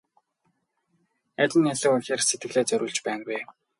Аль нь илүү ихээр сэтгэлээ зориулж байна вэ?